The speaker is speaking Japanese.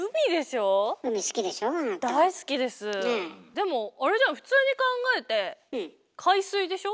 でもあれじゃん普通に考えて海水でしょ？